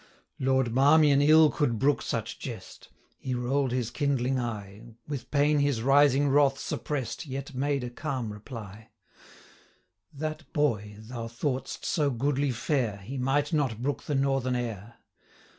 Lord Marmion ill could brook such jest; He roll'd his kindling eye, With pain his rising wrath suppress'd, Yet made a calm reply: 260 'That boy thou thought'st so goodly fair, He might not brook the northern air.